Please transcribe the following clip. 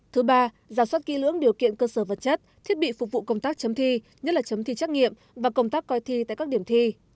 thứ ba giả soát kỹ lưỡng điều kiện cơ sở vật chất thiết bị phục vụ công tác chấm thi nhất là chấm thi trắc nghiệm và công tác coi thi tại các điểm thi